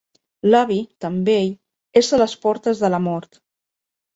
L'avi, tan vell, és a les portes de la mort.